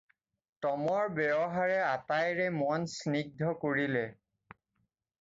টমৰ ব্যৱহাৰে আটাইৰে মন স্নিগ্ধ কৰিলে।